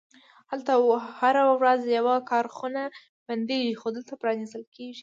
هلته هره ورځ یوه کارخونه بندیږي، خو دلته پرانیستل کیږي